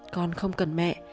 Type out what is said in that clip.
con không cần mẹ